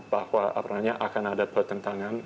bahwa akan ada pertentangan